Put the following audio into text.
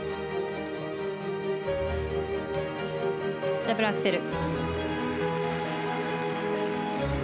ダブルアクセル。